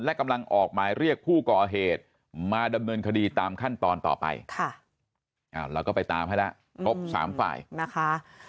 และกำลังออกหมายเรียกผู้ก่อเหตุมาดำเนินคดีตามขั้นตอนต่อไปเราก็ไปตามให้แล้วครบ๓ฝ่ายนะคะ